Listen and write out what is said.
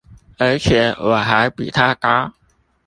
而且我還比他高